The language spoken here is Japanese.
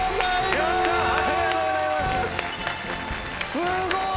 すごい！